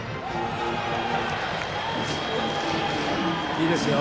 いいですよ。